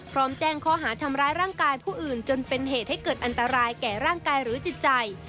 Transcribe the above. พร้อมแจ้งข้อหาทำร้ายร่างกายผู้อื่นจนเป็นเหตุให้เกิดอันตรายแก่ร่างกายหรือจิตใจ